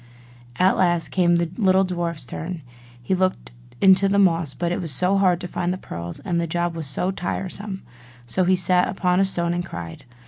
At last came the little dwarf's turn; and he looked in the moss; but it was so hard to find the pearls, and the job was so tiresome! so he sat down upon a stone and cried.